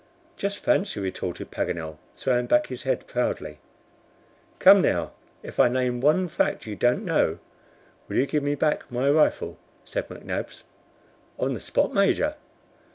"Just fancy," retorted Paganel, throwing back his head proudly. "Come now. If I name one fact you don't know, will you give me back my rifle?" said McNabbs. "On the spot, Major."